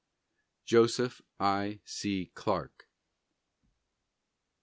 JOSEPH I. C. CLARKE.